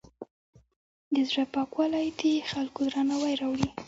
د زړۀ پاکوالی د خلکو درناوی راوړي.